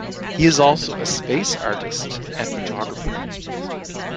He is also a space artist and photographer.